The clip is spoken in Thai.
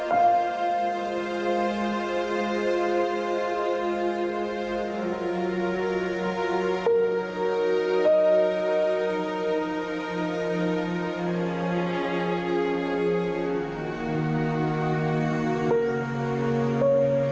เออ